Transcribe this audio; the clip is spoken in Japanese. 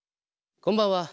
こんばんは。